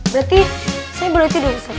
berarti saya boleh tidur ustaz